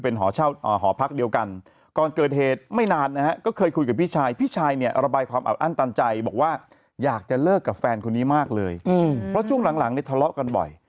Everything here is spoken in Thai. พอช่วงหลังนี่ทะเลาะกันบ่อย